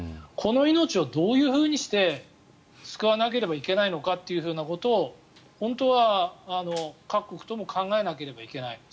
この命をどういうふうにして救わなければいけないのかということを本当は各国とも考えなきゃいけない。